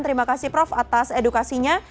terima kasih prof atas edukasinya